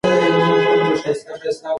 متعصب خپل خطا نه مني